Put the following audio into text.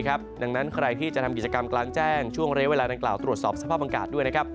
ดังนั้นใครที่จะทำกิจกรรมกลางแจ้งช่วงเรียกเวลาดังกล่าวตรวจสอบสภาพอากาศด้วยนะครับ